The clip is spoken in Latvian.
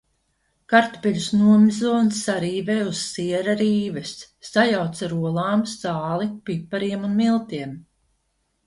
Kartupeļus nomizo un sarīvē uz siera rīves, sajauc ar olām, sāli, pipariem un miltiem.